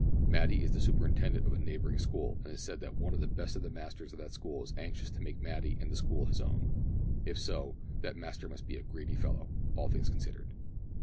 Matty is the superintendent of a neighbouring school, and it is said that one of the best of the masters of that school is anxious to make Matty and the school his own. If so, that master must be a greedy fellow all things considered.